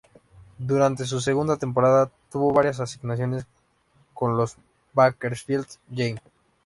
Durante su segunda temporada, tuvo varias asignaciones con los Bakersfield Jam.